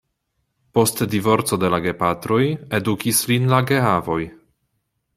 Post divorco de la gepatroj edukis lin la geavoj.